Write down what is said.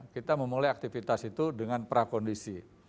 kita memulai aktivitas itu dengan prakondisi